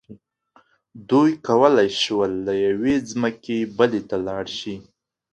دوی کولی شول له یوې ځمکې بلې ته لاړ شي.